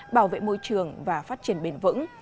bảo vệ môi trường và phát triển bền vững